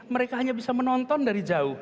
mereka hanya bisa menonton dari jauh